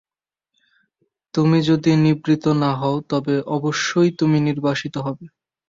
তুমি যদি নিবৃত্ত না হও, তবে অবশ্যই তুমি নির্বাসিত হবে।